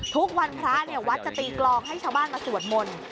ทุกวันพระวัดจะตีกลองให้ชาวบ้านมาสวดมนต์